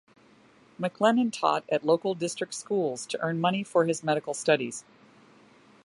MacLennan taught at local district schools to earn money for his medical studies.